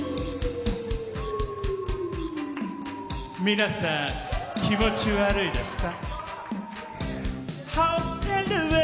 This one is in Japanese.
皆さん、気持ち悪いですか？